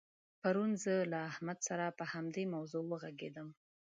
پرون زه له احمد سره په همدې موضوع وغږېدلم.